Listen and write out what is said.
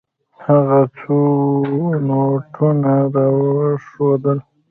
هغه څو نوټونه راوښودل.